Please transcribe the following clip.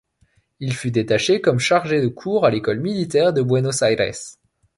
Il fut détaché comme chargé de cours à l'École militaire de Buenos Aires.